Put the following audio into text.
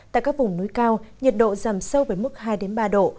tại các vùng núi cao nhiệt độ giảm sâu với mức hai ba độ